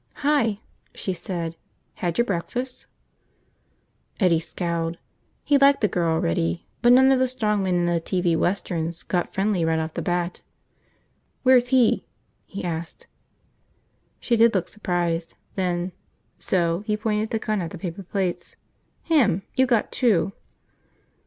"Hi," she said. "Had your breakfast?" Eddie scowled. He liked the girl already, but none of the strong men in the TV westerns got friendly right off the bat. "Where's he?" he asked. She did look surprised, then, so he pointed the gun at the paper plates. "Him. You got two."